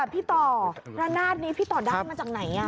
พี่ต่อระนาดนี้พี่ต่อได้มาจากไหน